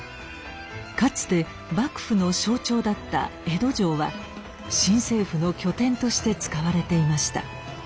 かつて幕府の象徴だった江戸城は新政府の拠点として使われていました。